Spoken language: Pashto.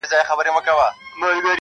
که زندان که پنجره وه نس یې موړ وو -